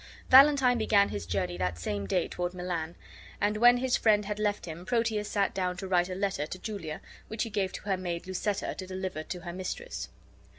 Valentine began his journey that same day toward Milan; and when his friend had left him, Proteus sat down to write a letter to Julia, which he gave to her maid Lucetta to deliver to her mistress.